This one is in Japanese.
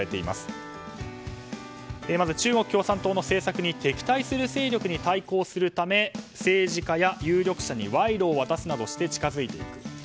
まず中国共産党の政策に敵対する勢力に対抗するため政治家や有力者に賄賂を渡すなどして近づいていく。